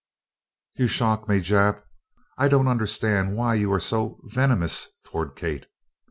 "You shock me, Jap! I don't understand why you are so venomous toward Kate.